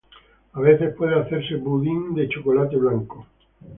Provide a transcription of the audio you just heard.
A veces puede hacerse budín de chocolate blanco.